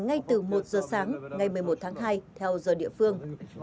ngay từ một giờ sáng ngày một mươi một tháng hai theo giờ địa phương